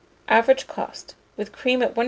Average cost, with cream at 1s.